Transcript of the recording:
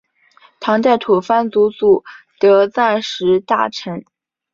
唐代吐蕃赤祖德赞时大臣。